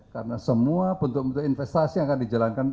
karena semua bentuk bentuk investasi yang akan dijalankan